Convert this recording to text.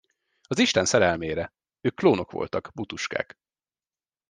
Az isten szerelmére, ők klónok voltak, butuskák.